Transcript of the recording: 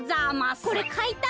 これかいたい。